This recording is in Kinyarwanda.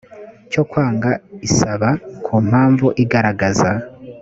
cyo kwanga isaba ku mpamvu igaragaza